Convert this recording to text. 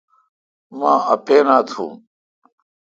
مہ اپینا تھون۔